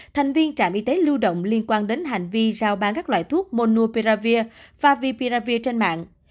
thành viên trạm y tế lưu động liên quan đến hành vi giao bán các loại thuốc monopiravir và vipiravir trên mạng